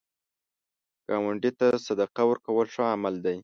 ګاونډي ته صدقه ورکول ښه عمل دی